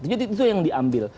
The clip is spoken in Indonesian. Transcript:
jadi itu yang diambil